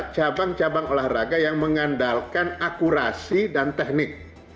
cabang cabang olahraga yang mengandalkan akurasi dan teknik